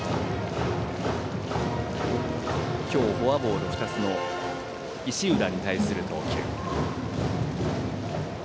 今日、フォアボール２つの石浦に対する投球。